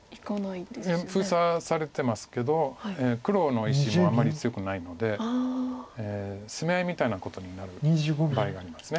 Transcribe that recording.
いや封鎖されてますけど黒の石もあんまり強くないので攻め合いみたいなことになる場合があります。